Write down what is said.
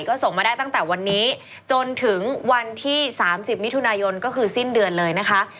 ก็ส่งมาได้ตั้งแต่วันนี้จนถึงวันที่๓๐มิถุนายนก็คือสิ้นเดือนเลยนะคะ